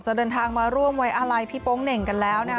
เดินทางมาร่วมไว้อาลัยพี่โป๊งเหน่งกันแล้วนะคะ